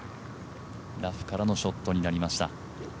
ラフからのショットになりました。